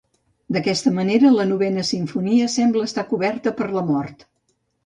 D'aquesta manera, la novena simfonia sembla estar coberta per la mort.